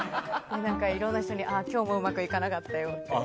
いろんな人に今日もうまくいかなかったよって。